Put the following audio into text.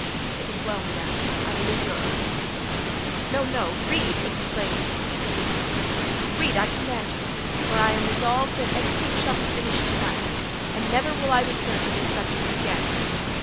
"It is well, madame, I believe your oath." "No, no, read," exclaimed the queen, indignantly; "read, I command you, for I am resolved that everything shall be finished to night and never will I recur to this subject again.